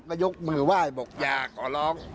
ก็ยกมือไหว้บอกอย่าขอร้อง